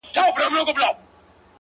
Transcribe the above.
زما خوله كي شپېلۍ اشنا ـ